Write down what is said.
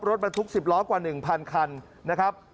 รถบรรทุก๑๐ล้อกว่า๑๐๐คันนะครับ